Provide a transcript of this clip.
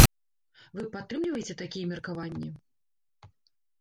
Вы падтрымліваеце такія меркаванні?